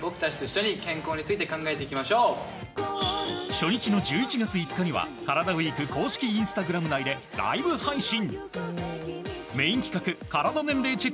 初日の１１月５日にはカラダＷＥＥＫ公式インスタグラム内でライブ配信。